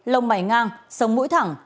lông mày ngang sông mũi thẳng